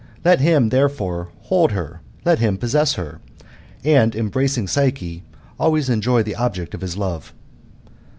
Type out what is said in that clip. Let him, therefore, hold her, let him possess her, and embracing Psyche, always enjoy the object of his love."